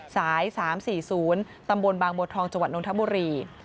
สาย๓๔๐ตำบลบางบัวทองจังหวัดนทบุรี